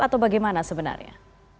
atau bagaimana sebenarnya